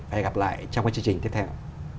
hẹn gặp lại trong các chương trình tiếp theo